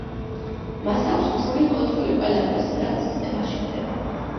მას აქვს სრული კონტროლი ყველაფერზე, რაც სისტემაში ხდება.